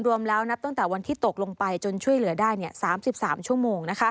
รวมแล้วนับตั้งแต่วันที่ตกลงไปจนช่วยเหลือได้๓๓ชั่วโมง